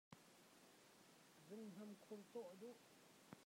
Zunghnam khur cawh an duh.